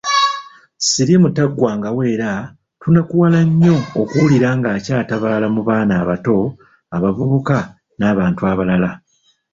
Siriimu taggwangawo era tunakuwala nnyo okuwulira ng'akyatabaala mu baana abato, abavubuka n'abantu abalala.